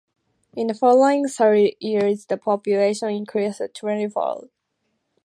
In the following thirty years the population increased twentyfold.